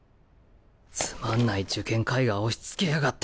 つまんない受験絵画押しつけやがって！